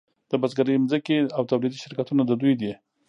د بزګرۍ ځمکې او تولیدي شرکتونه د دوی دي